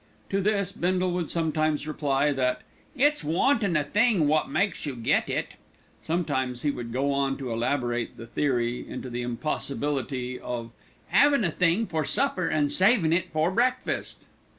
To this, Bindle would sometimes reply that "it's wantin' a thing wot makes you get it." Sometimes he would go on to elaborate the theory into the impossibility of "'avin' a thing for supper an' savin' it for breakfast."